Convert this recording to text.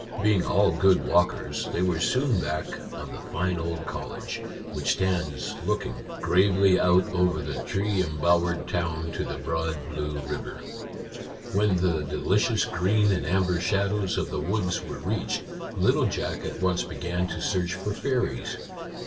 Being all good walkers, they were soon back of the fine old college, which stands looking 8 Our Little Canadian Cousin gravely out over the tree embowered town to the broad blue river. When the delicious green and amber shadows of the woods were reached, little Jack at once began to search for fairies.